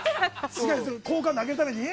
好感度上げるために？